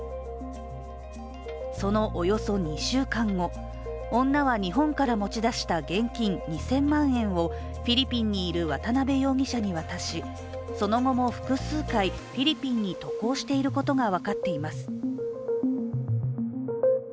そのおよそ２週間後、女は日本から持ち出した現金２０００万円をフィリピンにいる渡辺容疑者に渡しその後も複数回、フィリピンに渡航していることが分かっています。